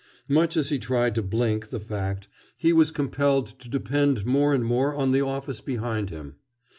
Much as he tried to blink the fact, he was compelled to depend more and more on the office behind him.